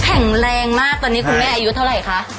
แข็งแรงมากตอนนี้คุณแม่อายุเท่าไหร่คะ